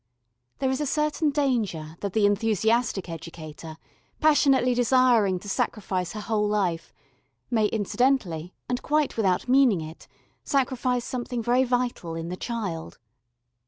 There is a certain danger that the enthusiastic educator, passionately desiring to sacrifice her whole life, may incidentally, and quite without meaning it, sacrifice something very vital in the child.